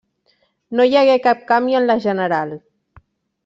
No hi hagué cap canvi en la general.